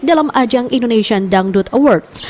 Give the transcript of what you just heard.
dalam ajang indonesian dangdut awards